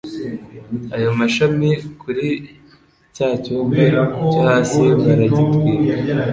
ayo mashami kuri cya cyumba cyo hasi baragitwika